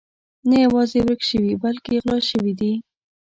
نه یوازې ورک شوي بلکې غلا شوي دي.